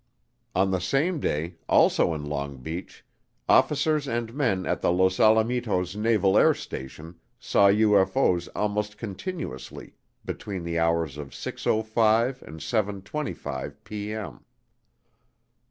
On the same day, also in Long Beach, officers and men at the Los Alamitos Naval Air Station saw UFO's almost continuously between the hours of 6:05 and 7:25P.M.